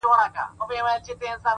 قربانو زه له پيغورو بېرېږم’